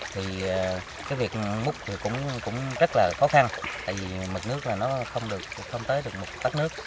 thì cái việc múc thì cũng rất là khó khăn tại vì mực nước là nó không tới được một cắt nước